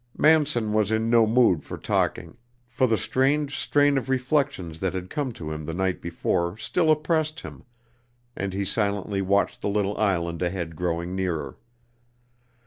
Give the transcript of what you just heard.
Manson was in no mood for talking, for the strange strain of reflections that had come to him the night before still oppressed him and he silently watched the little island ahead growing nearer.